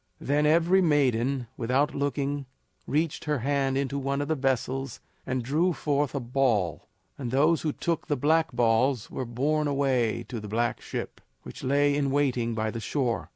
Then every maiden, without looking, reached her hand into one of the vessels and drew forth a ball, and those who took the black balls were borne away to the black ship, which lay in waiting by the shore.